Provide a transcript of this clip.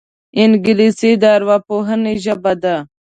انګلیسي د ارواپوهنې ژبه ده